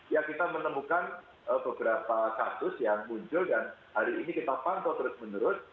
ya kita menemukan beberapa kasus yang muncul dan hari ini kita pantau terus menerus